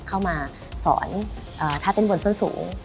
เข้ามาสอนถ้าเป็นบนส้นสูง